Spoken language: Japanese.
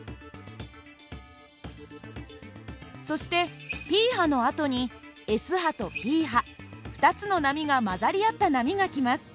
そしてＰ波のあとにＳ波とＰ波２つの波が混ざり合った波が来ます。